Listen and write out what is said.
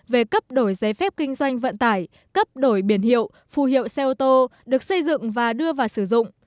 về cấp đổi giấy phép kinh doanh vận tải cấp đổi biển hiệu phù hiệu xe ô tô được xây dựng và đưa vào sử dụng